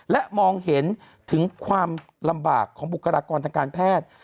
และมองเห็นถึงความลำบากของบุคลากรทางการแพทย์